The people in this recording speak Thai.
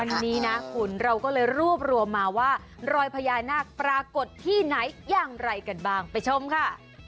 อันนี้นะคุณเราก็เลยรวบรวมมาว่ารอยพญานาคปรากฏที่ไหนอย่างไรกันบ้างไปชมค่ะ